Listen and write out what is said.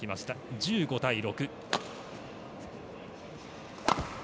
１５対６。